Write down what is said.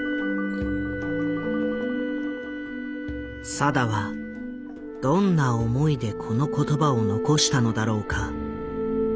定はどんな思いでこの言葉を残したのだろうか？